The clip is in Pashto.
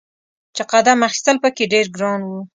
چې قدم اخیستل په کې ډیر ګران و.